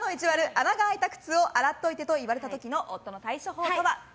穴が開いた靴を洗っといてと言われた時の夫の対処法とは？